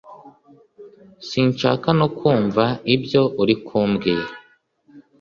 Sinshaka no kumva ibyo uri kumbwira